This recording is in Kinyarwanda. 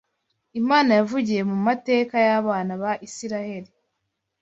Imana yavugiye mu mateka y’abana ba Isiraheli